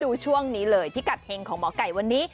ช่วงนี้เลยพิกัดเฮงของหมอไก่วันนี้